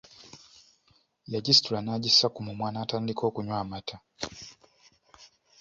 Yagisitula n'agissa ku mumwa natandika okunywa amaata .